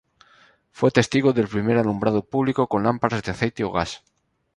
Fue testigo del primer alumbrado público con lámparas de aceite o gas.